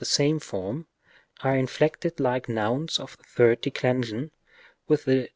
41 the same form, are inflected like nouns of the third declension with the G.